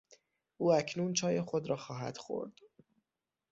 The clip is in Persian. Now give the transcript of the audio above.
او اکنون چای خود را خواهد خورد.